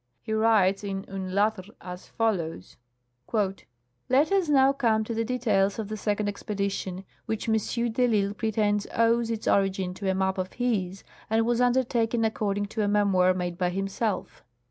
He writes in " Une Lettre " as follows :" Let us now come to the details of the second expedition, which M. de risle pretends owes its origin to a map of his and was undertalcen accord ing to a memoir made by himself.